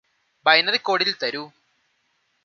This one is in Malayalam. ബൈനറി കോഡില് തരൂ